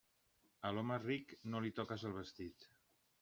A l'home ric, no li toques el vestit.